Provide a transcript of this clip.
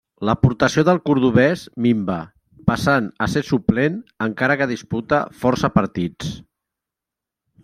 L'aportació del cordovès minva, passant a ser suplent, encara que disputa força partits.